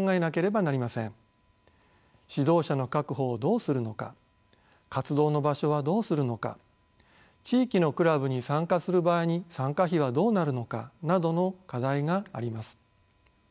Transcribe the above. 指導者の確保をどうするのか活動の場所はどうするのか地域のクラブに参加する場合に参加費はどうなるのかなどの課題があります。